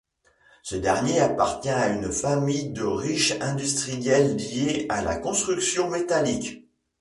Ce dernier appartient à une famille de riches industriels liés à la construction métallique.